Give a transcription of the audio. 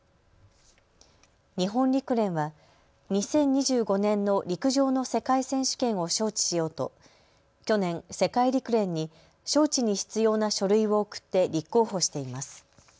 日本陸連は２０２５年の陸上の世界選手権を招致しようと去年、世界陸連に招致に必要な書類を送って立候補しています。